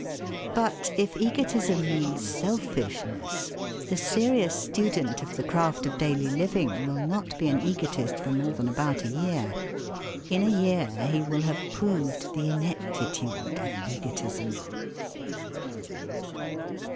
But if egotism means selfishness, the serious student of the craft of daily living will not be an egotist for more than about a year. In a year he will have proved the ineptitude of egotism.